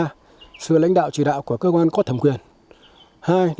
sự lãnh đạo của phòng chống thiên tai phòng chống thiên tai phòng chống thiên tai phòng chống thiên tai